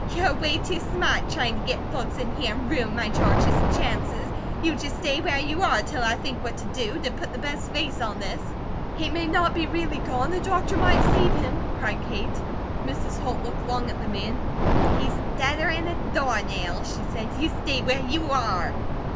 "You're away too smart, trying to get folks in here, and ruin my George's chances. You just stay where you are till I think what to do, to put the best face on this!" "He may not be really gone! The doctor might save him!" cried Kate. Mrs. Holt looked long at the man. "He's deader 'an a doornail," she said. "You stay where you are!"